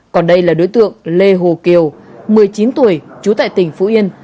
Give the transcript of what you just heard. còn đây là đối tượng lê hồ kiều một mươi chín tuổi trú tại tỉnh phú yên